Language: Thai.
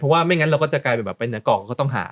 เพราะว่าไม่งั้นเราก็จะกลายเป็นแบบไปเหนือกล่องก็ต้องหา